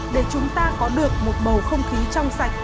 để chúng ta có được một bầu không khí trong sạch